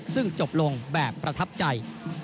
ซึ่งจบลงแบบประทับใจ